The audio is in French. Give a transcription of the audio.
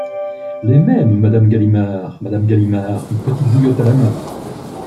Les Mêmes, Madame Galimard Madame Galimard , une petite bouillotte à la main.